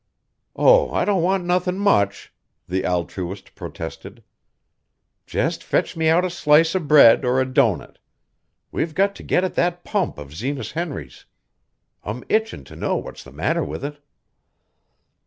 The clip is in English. "Oh, I don't want nothin' much," the altruist protested. "Just fetch me out a slice of bread or a doughnut. We've got to get at that pump of Zenas Henry's. I'm itchin' to know what's the matter with it."